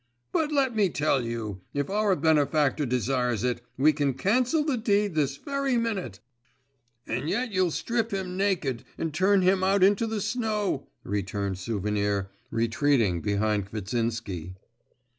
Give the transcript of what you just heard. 'But let me tell you, if our benefactor desires it, we can cancel the deed this very minute!' 'And yet, you'll strip him naked, and turn him out into the snow …' returned Souvenir, retreating behind Kvitsinsky.